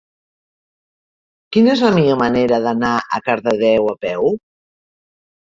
Quina és la millor manera d'anar a Cardedeu a peu?